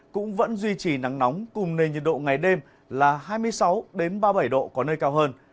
cũng vẫn duy trì nắng nóng cùng nền nhiệt độ ngày đêm là hai mươi sáu ba mươi bảy độ có nơi cao hơn